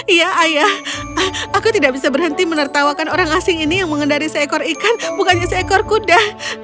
iya ayah aku tidak bisa berhenti menertawakan orang asing ini yang mengendari seekor ikan bukannya seekor kuda